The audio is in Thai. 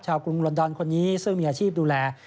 กรุงลอนดอนคนนี้ซึ่งมีอาชีพดูแล